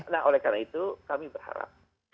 nah oleh karena itu kami berharap